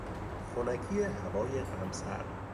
خنکی هوای قمصر